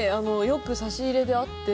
よく差し入れであって。